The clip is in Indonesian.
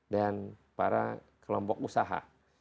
dan para kelompok usaha